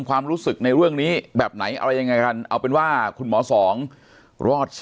สวัสดีครับทุกผู้ชม